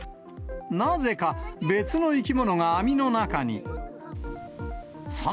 なぜか別の生き物が網の中に。